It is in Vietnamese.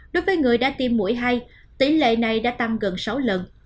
đối với người đã tiêm mũi hai tỷ lệ này đã tăng gần sáu lần